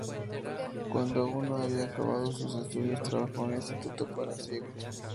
Cuando aún no había acabado sus estudios, trabajó en el Instituto para ciegos.